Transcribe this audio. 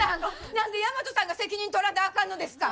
何で大和さんが責任取らなあかんのですか！？